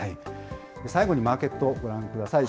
最後にマーケット、ご覧ください。